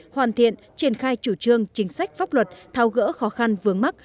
hoàn thiện triển khai chủ trương chính sách pháp luật thao gỡ khó khăn vướng mắt